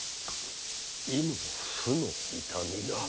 胃の腑の痛みが。